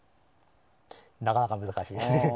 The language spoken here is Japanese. なかなか難しいですね。